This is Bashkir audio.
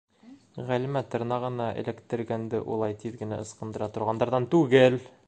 Ғәлимә тырнағына эләктергәнде улай тиҙ генә ысҡындыра торғандарҙан түгел!